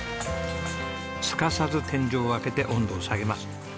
すかさず天井を開けて温度を下げます。